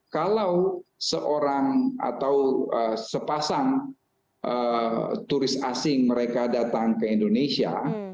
kalau seorang atau sepasang turis asing mereka datang ke indonesia